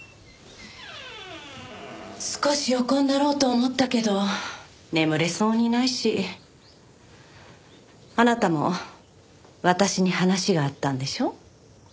少し横になろうと思ったけど眠れそうにないしあなたも私に話があったんでしょ？